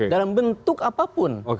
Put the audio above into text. dalam bentuk apapun